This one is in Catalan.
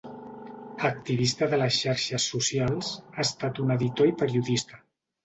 Activista de les xarxes socials, ha estat un editor i periodista.